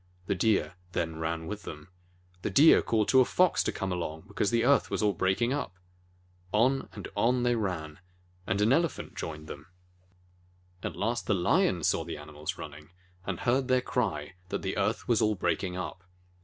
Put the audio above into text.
The Deer then ran with them. Saw the animals running. The Deer called to a Fox to come along because the earth was all breaking up. On and on they ran, and an Elephant joined them. At last the Lion saw the animals running, and heard their cry that the earth was all breaking up.